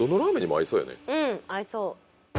うん合いそう。